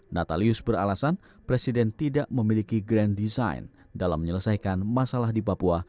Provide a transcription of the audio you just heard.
natalius beralasan presiden tidak memiliki grand design dalam menyelesaikan masalah di papua